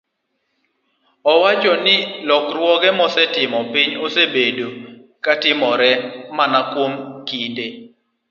owacho ni lokruoge mosetimore e piny osebedo ka timore mana kuom kinde